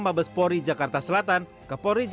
masyarakat selalu berhubung